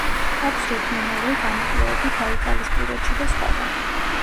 აქვს რეგიონალური გამოკვლევები ბაიკალისპირეთში და სხვაგან.